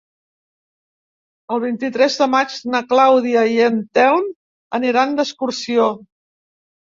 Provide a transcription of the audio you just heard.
El vint-i-tres de maig na Clàudia i en Telm aniran d'excursió.